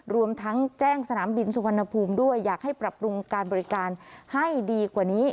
รวมทั้งแจ้งสนามบินสุวรรณภูมิด้วยอยากให้ปรับปรุงการบริการให้ดีกว่านี้